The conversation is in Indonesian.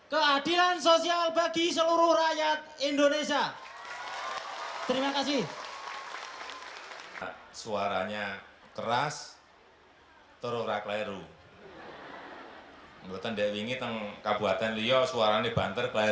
keadilan sosial bagi seluruh rakyat indonesia